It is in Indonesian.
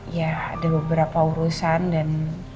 ya ada beberapa urusan dan